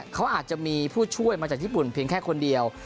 เขาอาจจะมีผู้ช่วยมาจากญี่ปุ่นเพียงแค่คนเดียว